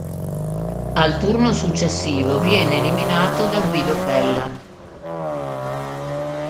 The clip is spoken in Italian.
Al turno successivo viene eliminato da Guido Pella.